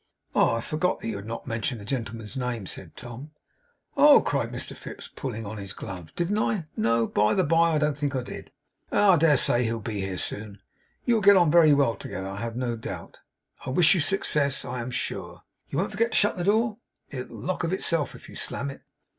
'I forgot that you had not mentioned the gentleman's name,' said Tom. 'Oh!' cried Mr Fips, pulling on his glove, 'didn't I? No, by the bye, I don't think I did. Ah! I dare say he'll be here soon. You will get on very well together, I have no doubt. I wish you success I am sure. You won't forget to shut the door? It'll lock of itself if you slam it.